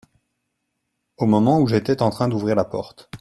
Au moment où j'étais en train d'ouvrir la porte.